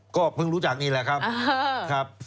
ก็เพิ่งรู้จักนี่แหละครับ